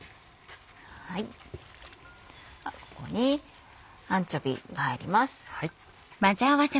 ここにアンチョビーが入ります。